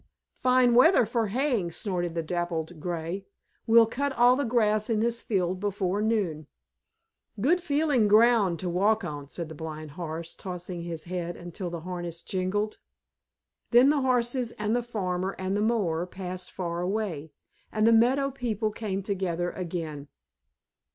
"Fine weather for haying," snorted the Dappled Gray. "We'll cut all the grass in this field before noon." "Good feeling ground to walk on," said the Blind Horse, tossing his head until the harness jingled. Then the Horses and the farmer and the mower passed far away, and the meadow people came together again.